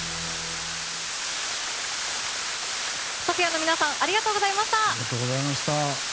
ＳＯＰＨＩＡの皆さんありがとうございました。